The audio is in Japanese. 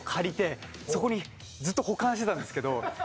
そこにずっと保管してたんですけど